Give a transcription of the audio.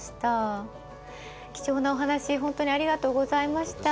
貴重なお話本当にありがとうございました。